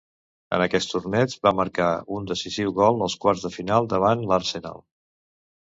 En aquest torneig va marcar un decisiu gol als quarts de final davant l'Arsenal.